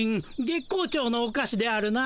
月光町のおかしであるな。